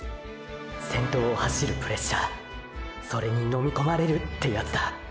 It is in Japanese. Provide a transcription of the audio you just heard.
先頭を走るプレッシャーそれに飲みこまれるってヤツだ。